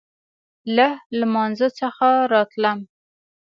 له لمانځه څخه راتلم.